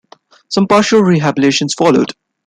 Some partial rehabilitation followed.